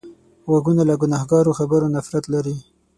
غوږونه له ګناهکارو خبرو نفرت لري